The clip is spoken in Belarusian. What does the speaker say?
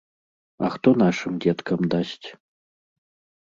А хто нашым дзеткам дасць?